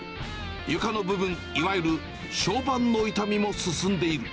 床の部分、いわゆる床版の傷みも進んでいる。